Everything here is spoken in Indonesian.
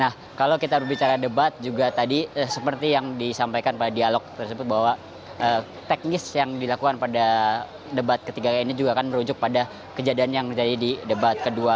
nah kalau kita berbicara debat juga tadi seperti yang disampaikan pada dialog tersebut bahwa teknis yang dilakukan pada debat ketiga ini juga akan merujuk pada kejadian yang terjadi di debat kedua